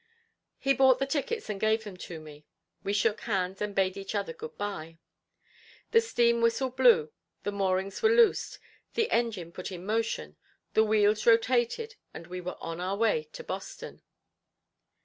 He bought the tickets and gave them to me. We shook hands and bade each other good by. The steam whistle blew, the moorings were loosed, the engine put in motion, the wheels rotated, and we were on our way to Boston.